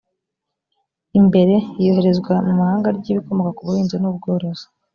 imbere iyoherezwa mu mahanga ry ibikomoka ku buhinzi n ubworozi